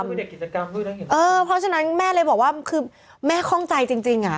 คือเป็นเด็กกิจกรรมเพราะฉะนั้นแม่เลยบอกว่าคือแม่ข้องใจจริงอะ